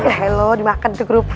ya lo dimakan itu kerupuk